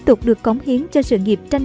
tục được cống hiến cho sự nghiệp tranh